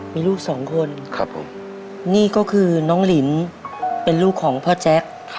มีลูกสองคนครับผมนี่ก็คือน้องลินเป็นลูกของพ่อแจ๊ค